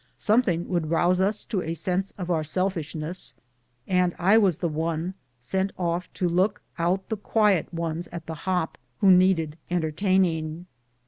Something would rouse us to a sense of our selfishness, and I was the one sent off to look out the quiet ones at the hop who needed entertaining.